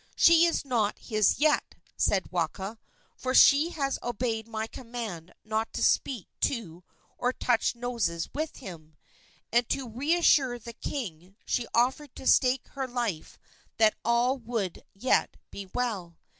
"She is not his yet," said Waka, "for she has obeyed my command not to speak to or touch noses with him"; and, to reassure the king, she offered to stake her life that all would yet be well.